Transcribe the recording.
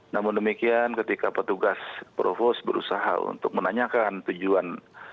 namun demikian ketika petugas provos berusaha untuk menanyakan tujuan